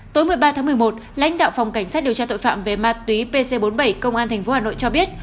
tối một mươi ba tháng một mươi một lãnh đạo phòng cảnh sát điều tra tội phạm về ma túy pc bốn mươi bảy công an tp hà nội cho biết